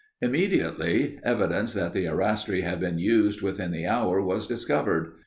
Immediately evidence that the arastre had been used within the hour was discovered.